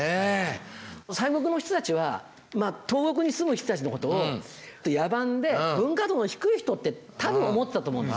西国の人たちは東国に住む人たちのことを野蛮で文化度の低い人って多分思ってたと思うんです。